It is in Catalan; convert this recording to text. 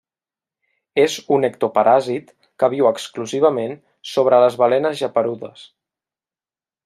És un ectoparàsit que viu exclusivament sobre les balenes geperudes.